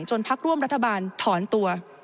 พักร่วมรัฐบาลถอนตัว